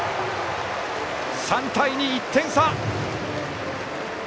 ３対２と１点差。